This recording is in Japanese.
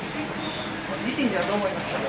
自身ではどう思いました？